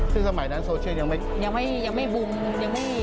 ซึ่งสมัยนั้นโซเชียลยังไม่บูมยังไม่